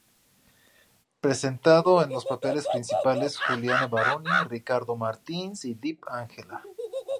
Presentado en los papeles principales Juliana Baroni, Ricardo Martins y Dip Angela.